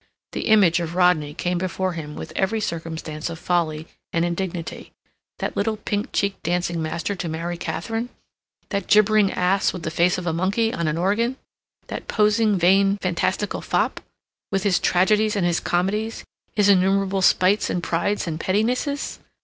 The image of Rodney came before him with every circumstance of folly and indignity. That little pink cheeked dancing master to marry Katharine? that gibbering ass with the face of a monkey on an organ? that posing, vain, fantastical fop? with his tragedies and his comedies, his innumerable spites and prides and pettinesses?